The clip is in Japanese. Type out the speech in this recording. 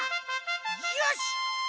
よし！